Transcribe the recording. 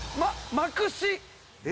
まくし？